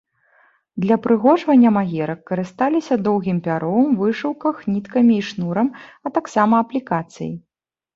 Для ўпрыгожвання магерак карысталіся доўгім пяром, вышыўках ніткамі і шнурам, а таксама аплікацыяй.